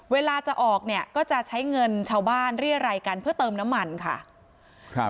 เวลาจะออกเนี่ยก็จะใช้เงินชาวบ้านเรียรัยกันเพื่อเติมน้ำมันค่ะครับ